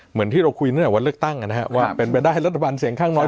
เหมือนที่เราคุยเนี่ยว่าเลือกตั้งนะครับว่าเป็นไปได้รัฐบาลเสียงข้างน้อย